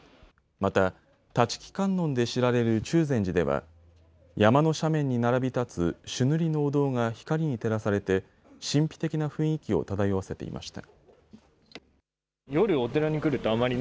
また、立木観音で知られる中禅寺では山の斜面に並び立つ朱塗りのお堂が光に照らされて神秘的な雰囲気を漂わせていました。